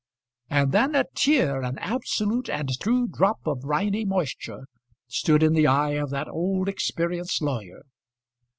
And then a tear, an absolute and true drop of briny moisture, stood in the eye of that old experienced lawyer.